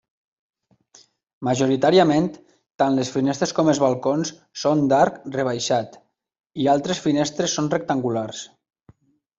Majoritàriament, tant les finestres com els balcons són d'arc rebaixat, i altres finestres són rectangulars.